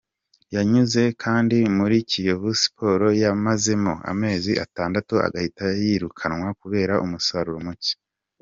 Yanyuze kandi muri Kiyovu Sports yamazemo amezi atandatu agahita yirukanwa kubera umusaruro muke.